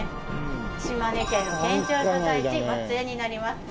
島根県の県庁所在地松江になります。